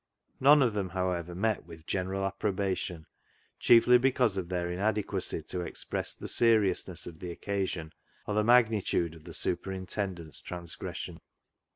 None of them, however, met with 284 CLOG SHOP CHRONICLES general approbation, chiefly because of their inadequacy to express the seriousness of the oc casion or the magnitude of the superintendent's transgression.